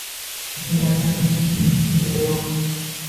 Lekin nazarimda, bunday kitoblar yo’q.